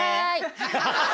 ハハハ